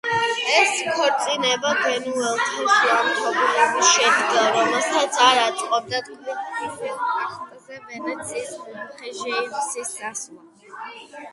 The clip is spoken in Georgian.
ეს ქორწინება გენუელთა შუამავლობით შედგა, რომელთაც არ აწყობდათ კვიპროსის ტახტზე ვენეციის მომხრე ჯეიმსის ასვლა.